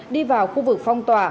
đi vào khu vực phong tỏa